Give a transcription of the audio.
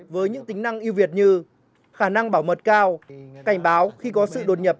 với những tính năng yêu việt như khả năng bảo mật cao cảnh báo khi có sự đột nhập